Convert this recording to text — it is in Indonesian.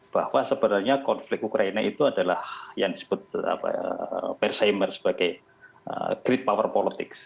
bahwa sebenarnya konflik ukraina itu adalah yang disebut perseimer sebagai great power politics